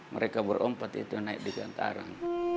mereka berompat itu naik di gantaran